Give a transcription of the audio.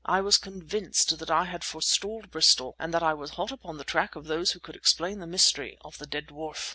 I was convinced that I had forestalled Bristol and that I was hot upon the track of those who could explain the mystery of the dead dwarf.